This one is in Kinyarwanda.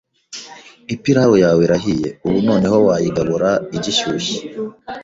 Ipirawu yawe irahiye, ubu noneho wayigabura igishyushye.